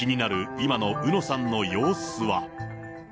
今のうのさんの様子は。